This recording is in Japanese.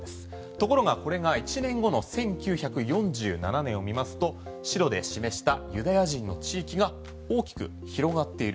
ところがこれが１年後の１９４７年を見ますと白で示したユダヤ人の地域が大きく広がっている。